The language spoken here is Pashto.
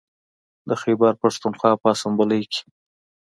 د خیبر پښتونخوا په اسامبلۍ کې